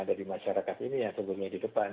ada di masyarakat ini yang sebutnya di depan